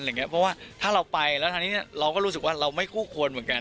เพราะว่าถ้าเราไปแล้วทางนี้เราก็รู้สึกว่าเราไม่คู่ควรเหมือนกัน